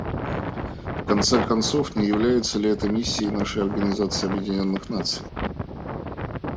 В конце концов, не является ли это миссией нашей Организации Объединенных Наций?